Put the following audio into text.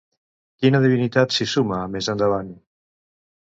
Quina divinitat s'hi suma més endavant?